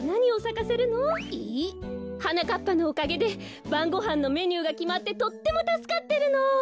はなかっぱのおかげでばんごはんのメニューがきまってとってもたすかってるの。